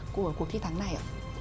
của cuộc thi tháng này